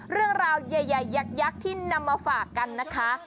เรื่องราวใหญ่ยักษ์ที่นำมาฝากกันนะคะ